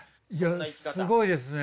いやすごいですね。